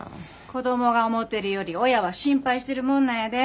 子供が思てるより親は心配してるもんなんやで。